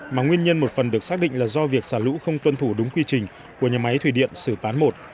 mà nguyên nhân một phần được xác định là do việc xả lũ không tuân thủ đúng quy trình của nhà máy thủy điện xử bán một